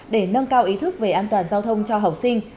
để nâng cao ý thức về an toàn giao thông cho học sinh